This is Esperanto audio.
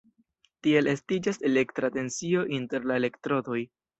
Tiel estiĝas elektra tensio inter la elektrodoj.